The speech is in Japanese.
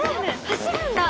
走るんだ！